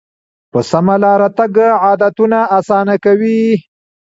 په سمه لاره تګ عادتونه اسانه کوي.